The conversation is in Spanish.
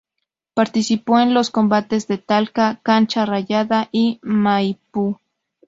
Participó en los combates de Talca, Cancha Rayada y Maipú.